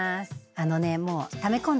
あのね。